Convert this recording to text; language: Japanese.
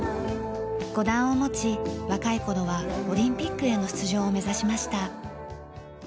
五段を持ち若い頃はオリンピックへの出場を目指しました。